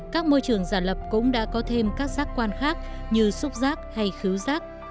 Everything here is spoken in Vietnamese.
các môi trường giả lập cũng đã có thêm các giác quan khác như xúc giác hay khứ giác